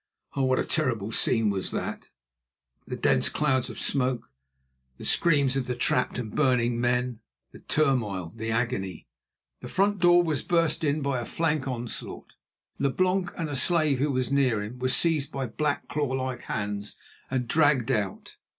Oh, what a terrible scene was that! The dense clouds of smoke, the screams of the trapped and burning men, the turmoil, the agony! The front door was burst in by a flank onslaught. Leblanc and a slave who was near him were seized by black, claw like hands and dragged out.